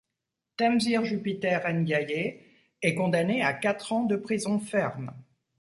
Tamsir Jupiter Ndiaye est condamné à quatre ans de prison ferme.